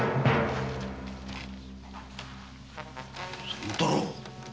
仙太郎？